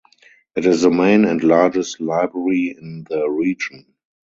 It is the main and largest library in the region.